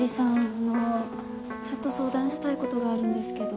あのちょっと相談したいことがあるんですけど。